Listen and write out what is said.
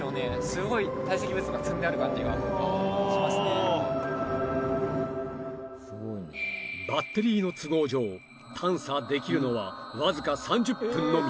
すごい堆積物が積んである感じがあバッテリーの都合上探査できるのはわずか３０分のみ！